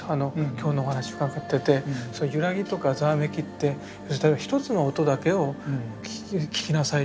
今日のお話伺っててそのゆらぎとかざわめきって一つの音だけを聞きなさい